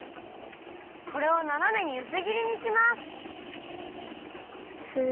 これをななめにうすぎりにします。